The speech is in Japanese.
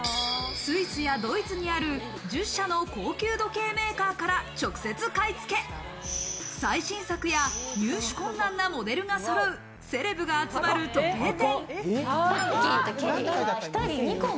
スイスやドイツにある１０社の高級時計メーカーから直接買い付け最新作や入手困難なモデルがそろう、セレブが集まる時計店。